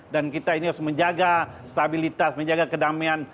dan kita ini harus menjaga stabilitas menjaga kedamaian